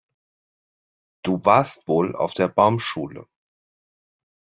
Du warst wohl auf der Baumschule.